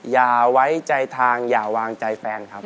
อย่าไว้ใจทางอย่าวางใจแฟนครับ